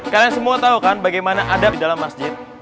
kalian semua tahu kan bagaimana adab di dalam masjid